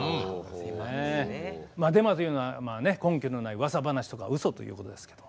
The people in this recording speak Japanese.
まあデマというのは根拠のないうわさ話とかウソということですけど。